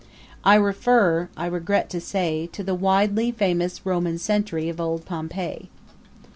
I refer, I regret to say, to the widely famous Roman sentry of old Pompeii.